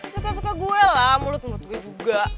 suka suka gue lah mulut mulut gue juga